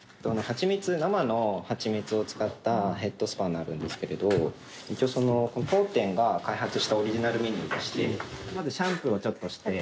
生の蜂蜜を使ったヘッドスパになるんですけれど一応当店が開発したオリジナルメニューでしてまずシャンプーをちょっとして。